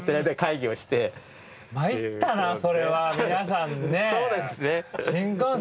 参ったなそれは皆さんね。